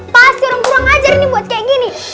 pasti orang kurang ajar ini buat kayak gini